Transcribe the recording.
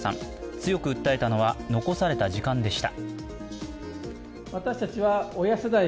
強く訴えたのは残された時間でした。